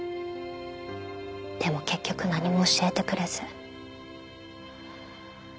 でも結局何も教えてくれず。